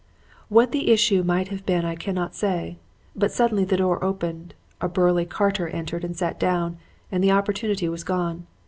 "What the issue might have been I cannot say. But suddenly the door opened, a burly carter entered and sat down, and the opportunity was gone.